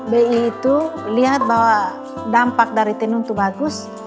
bi itu lihat bahwa dampak dari tenun itu bagus